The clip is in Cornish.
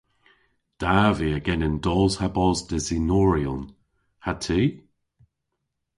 Da via genen dos ha bos desinoryon. Ha ty?